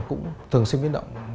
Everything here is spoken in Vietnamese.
cũng thường xuyên biến động